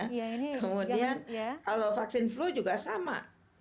kemudian kalau vaksin flu juga sama